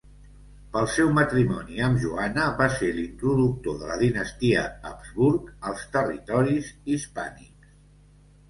Pel seu matrimoni amb Joana va ser l'introductor de la dinastia Habsburg als territoris hispànics.